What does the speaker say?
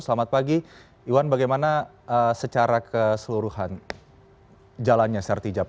selamat pagi iwan bagaimana secara keseluruhan jalannya sertijab